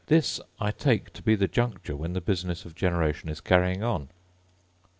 This I take to be the juncture when the business of generation is carrying on.